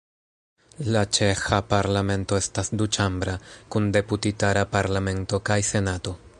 La ĉeĥa Parlamento estas duĉambra, kun Deputitara Parlamento kaj Senato.